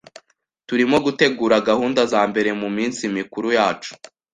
Turimo gutegura gahunda zambere muminsi mikuru yacu.